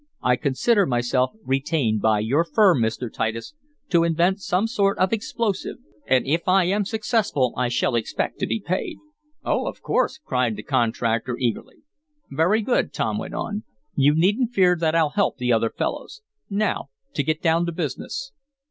I consider myself retained by your firm, Mr. Titus, to invent some sort of explosive, and if I am successful I shall expect to be paid." "Oh, of course!" cried the contractor eagerly. "Very good," Tom went on. "You needn't fear that I'll help the other fellows. Now to get down to business.